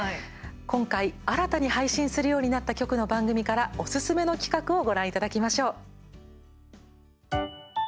今回、新たに配信するようになった局の番組からおすすめの企画をご覧いただきましょう。